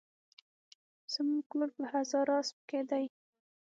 زموکور په هزاراسپ کی دي